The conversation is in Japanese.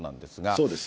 そうです。